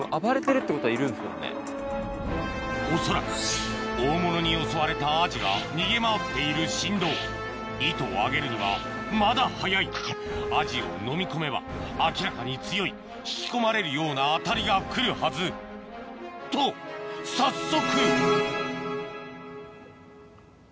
恐らく大物に襲われたアジが逃げ回っている振動糸を上げるにはまだ早いアジをのみ込めば明らかに強い引き込まれるような当たりが来るはずと早速！